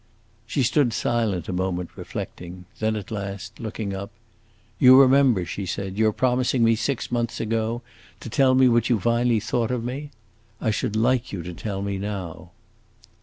She stood silent a moment, reflecting. Then at last, looking up, "You remember," she said, "your promising me six months ago to tell me what you finally thought of me? I should like you to tell me now."